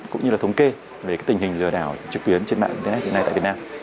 cũng như là thống kê về tình hình lừa đảo trực tuyến trên mạng internet hiện nay tại việt nam